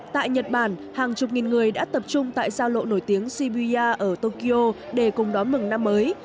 tại nhật bản hàng chục nghìn người đã tập trung tại giao lộ nổi tiếng shibuyya ở tokyo để cùng đón mừng năm mới